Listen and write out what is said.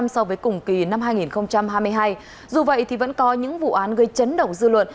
so với cùng kỳ năm hai nghìn hai mươi hai dù vậy thì vẫn có những vụ án gây chấn động dư luận